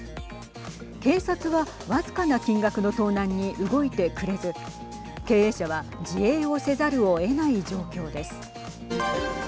警察は僅かな金額の盗難に動いてくれず経営者は自衛をせざるをえない状況です。